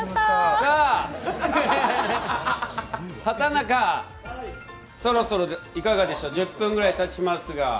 畠中、そろそろいかがでしょう、１０分ぐらいたちますが？